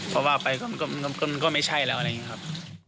เพราะว่าไปแล้วไม่ใช่แล้วก็อะไรแบบนี้ครับ